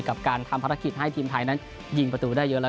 กับการทำภารกิจให้ทีมไทยยิงประตูได้เยอะ